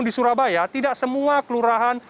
di surabaya tidak semua kelurahan